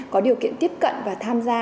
có điều kiện tiếp cận và tham gia